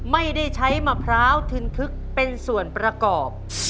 ไม่ได้ใช้มะพร้าวทินทึกเป็นส่วนประกอบ